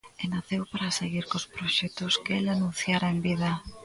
E naceu para seguir cos proxectos que el anunciara en vida.